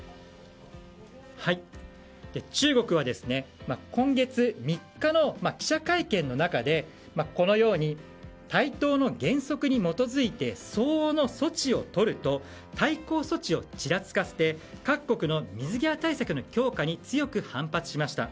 中国は、今月３日の記者会見の中で対等の原則に基づいて相応の措置をとると対抗措置をちらつかせて各国の水際対策の強化に強く反発しました。